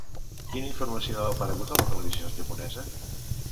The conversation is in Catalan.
Quina informació ha aparegut a la televisió japonesa?